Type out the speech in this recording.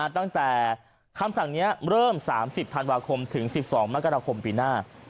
ตั้งแต่คำสั่งนี้เริ่ม๓๐ธันวาคมถึง๑๒มกราคมปีหน้า